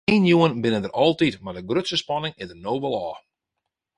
Senuwen binne der altyd mar de grutste spanning is der no wol ôf.